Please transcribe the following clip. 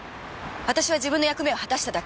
私は自分の役目を果たしただけ。